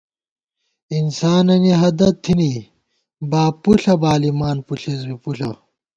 انساننی ہدَت تھِنی، باب پُݪہ بالِمان، پُݪېس بی پُݪہ